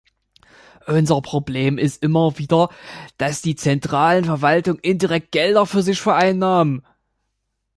Unser Problem ist immer wieder, dass die zentralen Verwaltungen indirekt Gelder für sich vereinnahmen.